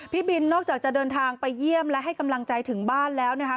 พี่บินนอกจากจะเดินทางไปเยี่ยมและให้กำลังใจถึงบ้านแล้วนะคะ